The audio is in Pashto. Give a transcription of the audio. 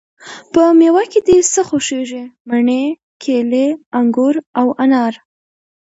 په میوه کی د څه خوښیږی؟ مڼې، کیلې، انګور او انار